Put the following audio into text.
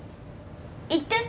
行って。